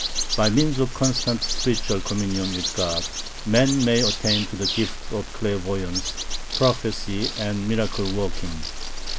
By means of constant spiritual communion with God, man may attain to the gift of clairvoyance, prophecy, and miracle working.